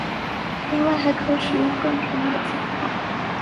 另外还可使用更传统的型号。